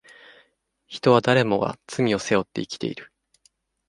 人は誰もが罪を背負って生きている